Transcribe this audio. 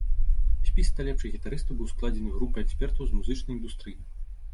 Спіс ста лепшых гітарыстаў быў складзены групай экспертаў з музычнай індустрыі.